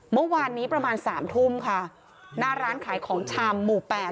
เมื่อวานนี้ประมาณสามทุ่มค่ะหน้าร้านขายของชำหมู่แปด